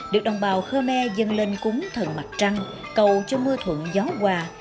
được đồng bào khơ me dân lên cúng thần mặt trăng cầu cho mưa thuận gió qua